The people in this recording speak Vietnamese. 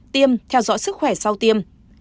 tiêm theo dõi sức khỏe sau tiêm